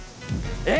え！